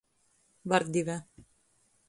Vardive.